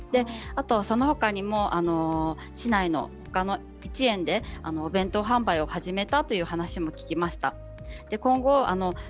そのほかにも市内でほかのお弁当販売を始めたという声も聞きました。